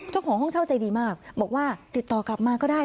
เจ้าของห้องเช่าใจดีมากบอกว่าติดต่อกลับมาก็ได้